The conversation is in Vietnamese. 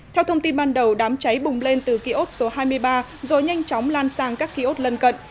theo thông tin ban đầu đám cháy bùng lên từ ký ốt số hai mươi ba rồi nhanh chóng lan sang các ký ốt lân cận